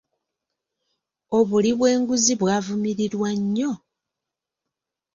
Obuli bw'enguzi bwavumirirwa nnyo.